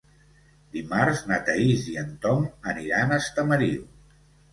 Dimarts na Thaís i en Tom aniran a Estamariu.